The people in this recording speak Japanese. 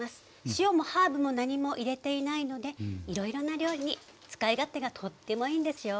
塩もハーブも何も入れていないのでいろいろな料理に使い勝手がとってもいいんですよ。